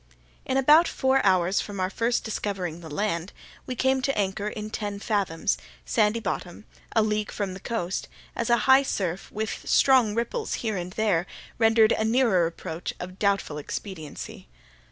In about four hours from our first discovering the land we came to anchor in ten fathoms, sandy bottom, a league from the coast, as a high surf, with strong ripples here and there, rendered a nearer approach of doubtful expediency.